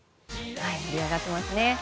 盛り上がってますね。